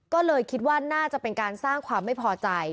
ก็เลยคิดว่าน่าจะเป็นการสร้างความไม่พอใจ